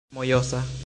mojosa